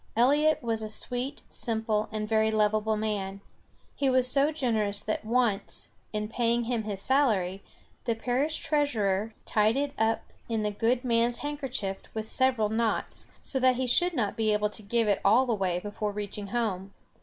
Eliot was a sweet, simple, and very lovable man. He was so generous that once, in paying him his salary, the parish treasurer tied it up in the good man's handkerchief with several knots, so that he should not be able to give it all away before reaching home.